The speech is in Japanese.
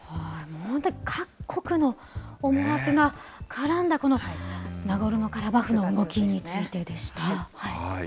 本当に各国の思惑が絡んだ、このナゴルノカラバフの動きについてでした。